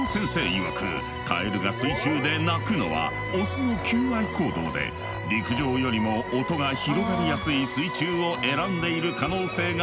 いわくカエルが水中で鳴くのはオスの求愛行動で陸上よりも音が広がりやすい水中を選んでいる可能性があるとのこと。